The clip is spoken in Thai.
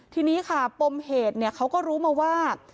ทีนี้ค่ะปมเหตุเขาก็รู้มาว่า